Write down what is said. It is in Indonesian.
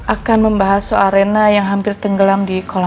akan membahas soal arena yang hampir tenggelam di kolam